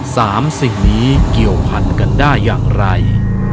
สิ่งนี้เกี่ยวพันกันได้อย่างไร